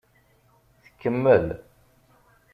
Tkemmel.